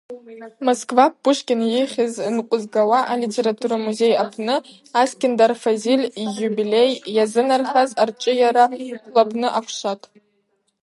Москва Пушкин йыхьыз нкъвызгауа алитература музей апны Аскьындар Фазиль йюбилей йазынархаз аршӏыйара хъвлапны акӏвшатӏ.